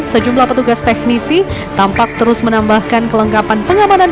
sejumlah petugas teknisi tampak terus menambahkan kelengkapan pengamanan